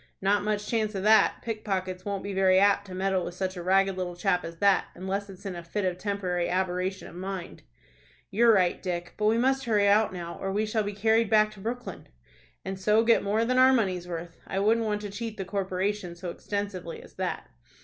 "Not much chance of that. Pickpockets won't be very apt to meddle with such a ragged little chap as that, unless it's in a fit of temporary aberration of mind." "You're right, Dick. But we must hurry out now, or we shall be carried back to Brooklyn." "And so get more than our money's worth. I wouldn't want to cheat the corporation so extensively as that."